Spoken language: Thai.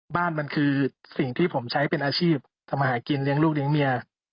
บ้านมันคือสิ่งที่ผมใช้เป็นอาชีพทำอาหารกินเลี้ยงลูกเลี้ยงเมีย